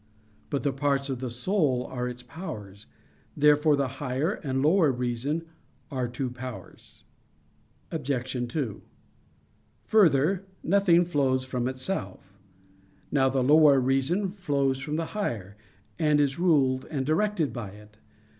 But the parts of the soul are its powers. Therefore the higher and lower reason are two powers. Obj. 2: Further, nothing flows from itself. Now, the lower reason flows from the higher, and is ruled and directed by it.